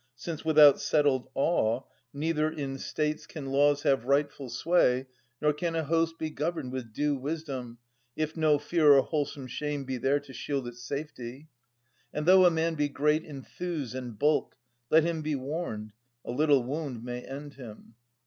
Since without settled awe, neither in states 90 Aias [1074 1107 Can laws have rightful sway, nor can a host Be governed with due wisdom, if no fear Or wholesome shame be there to shield its safety. And though a man be great in thews and bulk, Let him be warned: a little wound may end him.